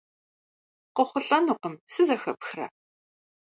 КъыуэхъулӀэнукъым, сызэхэпхрэ?